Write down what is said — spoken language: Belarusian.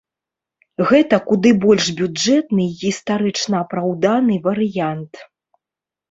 Гэта куды больш бюджэтны і гістарычна апраўданы варыянт.